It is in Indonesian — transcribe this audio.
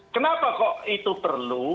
kenapa kok itu perlu